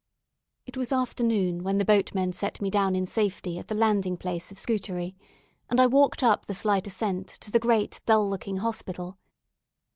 It was afternoon when the boatmen set me down in safety at the landing place of Scutari, and I walked up the slight ascent, to the great dull looking hospital.